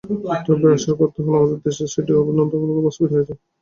তবে, আশার কথা হলো আমাদের দেশে সিডও সনদের অনেকগুলোই বাস্তবায়িত হয়েছে।